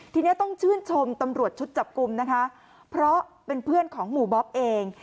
ทีนี้ต้องชื่นชมตำรวจชุดจับกลุ่มนะคะเพราะเป็นเพื่อนของหมู่บ๊อบเอง